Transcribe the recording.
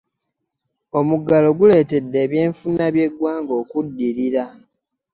Omuggalo guletedde ebye nfuna bye ggwanga okuddirira.